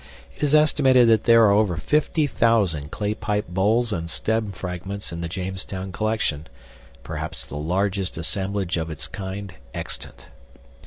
It is estimated that there are over 50,000 clay pipe bowls and stem fragments in the Jamestown collection perhaps the largest assemblage of its kind extant.